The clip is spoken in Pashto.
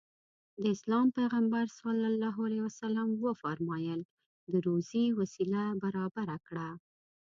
د اسلام پيغمبر ص وفرمايل د روزي وسيله برابره کړه.